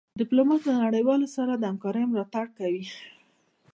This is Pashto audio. ډيپلومات د نړېوالو سره د همکارۍ ملاتړ کوي.